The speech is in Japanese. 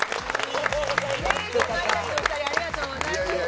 かまいたちのお二人ありがとうございました。